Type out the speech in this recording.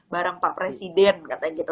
bareng pak presiden katanya gitu